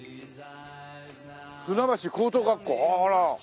「船橋高等学校」あら。